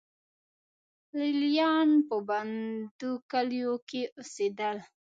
لې لیان په بندو کلیو کې اوسېدل.